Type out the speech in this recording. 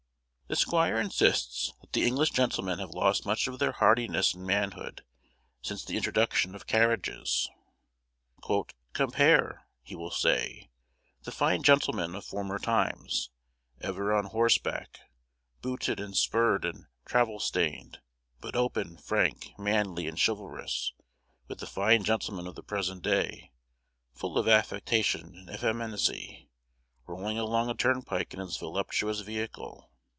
The squire insists that the English gentlemen have lost much of their hardiness and manhood since the introduction of carriages. "Compare," he will say, "the fine gentleman of former times, ever on horseback, booted and spurred, and travel stained, but open, frank, manly, and chivalrous, with the fine gentleman of the present day, full of affectation and effeminacy, rolling along a turnpike in his voluptuous vehicle.